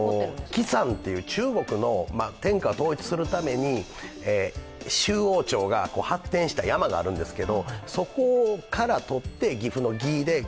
きさんという中国の天下統一するために王朝が発展した山があるんですけど、そこからとって、岐阜の「岐」。